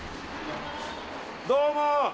どうも！